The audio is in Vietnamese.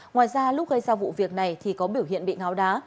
ngoài ra lúc gây ra vụ việc này thì có biểu hiện bị ngáo đá